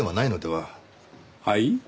はい？